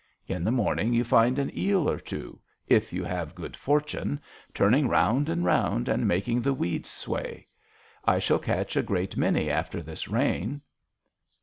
In the morning you find an eel or two, if you have good fortune, turning round and round and making the weeds sway. I shall catch a great many after this rain."